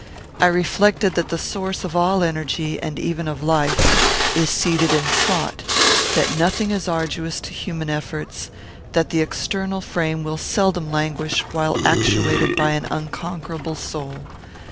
I reflected that the source of all energy, and even of life, is seated in thought; that nothing is arduous to human efforts; that the external frame will seldom languish, while actuated by an unconquerable soul.